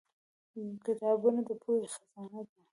کتابونه د پوهې خزانه ده.